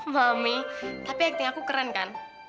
suami tapi acting aku keren kan